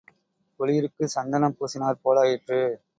குளிருக்குச் சந்தனம் பூசினாற் போலாயிற்று.